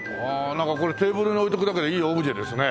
なんかこれテーブルに置いておくだけでいいオブジェですね。